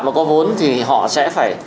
mà có vốn thì họ sẽ phải